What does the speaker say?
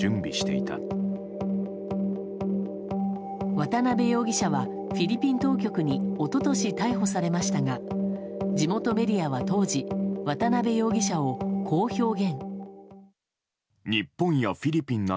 渡辺容疑者はフィリピン当局に一昨年、逮捕されましたが地元メディアは当時渡辺容疑者を、こう表現。